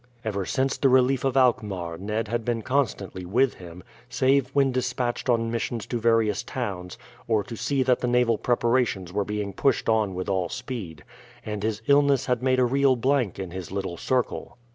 Ever since the relief of Alkmaar Ned had been constantly with him, save when despatched on missions to various towns, or to see that the naval preparations were being pushed on with all speed; and his illness had made a real blank in his little circle.